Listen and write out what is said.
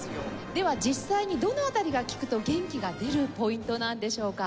では実際にどの辺りが聴くと元気が出るポイントなんでしょうか？